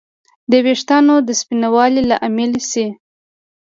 د ویښتانو د سپینوالي لامل شي